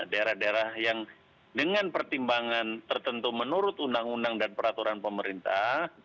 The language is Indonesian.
daerah daerah yang dengan pertimbangan tertentu menurut undang undang dan peraturan pemerintah